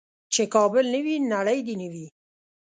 چې کابل نه وي نړۍ دې نه وي.